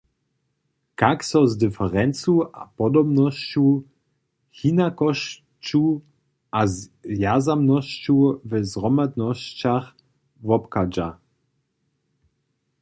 Kak so z diferencu a podobnosću, hinakosću a zwjazanosću w zhromadnosćach wobchadźa?